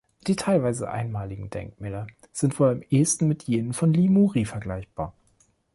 Die teilweise einmaligen Denkmäler sind wohl am ehesten mit jenen von Li Muri vergleichbar.